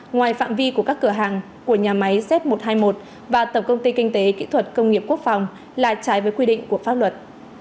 ngoài phạm vi của các cửa hàng của nhà máy z một trăm hai mươi một và tổng công ty kinh tế kỹ thuật công nghiệp quốc phòng là trái với quy định của pháp luật